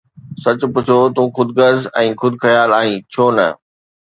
سچ پڇو، تون خود غرض ۽ خود خيال آهين، ڇو نه؟